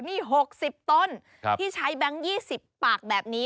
นี่๖๐ต้นที่ใช้แบงค์๒๐ปากแบบนี้